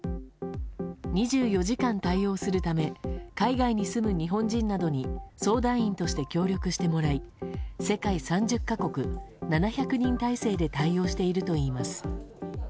２４時間対応するため海外に住む日本人などに相談員として協力してもらい世界３０か国、７００人態勢で対応しているといいます。